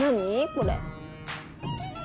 これ。